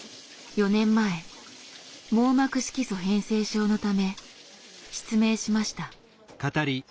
４年前網膜色素変性症のため失明しました。